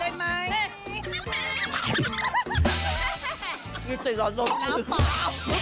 ยังสนุกสนานเที่ยวกันขนาดนี้